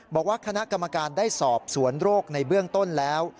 บอกว่าคณะกรรมการได้สอบสวนโรคในเบื้องต้นแล้ว